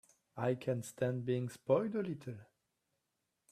I can stand being spoiled a little.